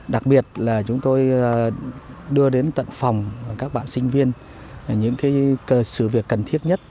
đặc biệt là chúng tôi đưa đến tận phòng các bạn sinh viên những sự việc cần thiết nhất